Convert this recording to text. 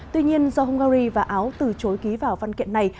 tuy nhiên do hungary và áo từ chối ký vào văn kiện này